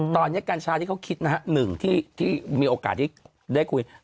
ตอนนี้กัญชาที่เขาคิดนะฮะหนึ่งที่มีโอกาสที่ได้คุย